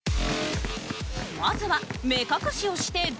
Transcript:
まずは目隠しをしてドリブル。